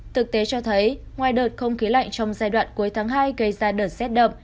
thực tế cho thấy ngoài đợt không khí lạnh trong giai đoạn cuối tháng hai gây ra đợt rét đậm